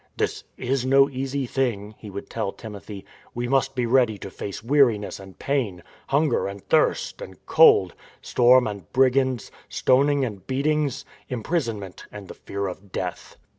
" This is no easy thing," he would tell Timothy. " We must be ready to face weariness and pain, hunger and thirst and cold, storm and brigands, stoning and beatings, imprisonment and the fear of death."